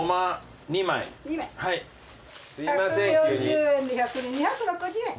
１４０円で２６０円。